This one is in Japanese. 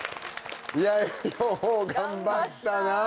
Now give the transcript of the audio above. よう頑張ったなぁ。